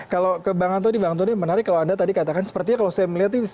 kalau ke bang antoni bang antoni menarik kalau anda tadi katakan sepertinya kalau saya melihat ini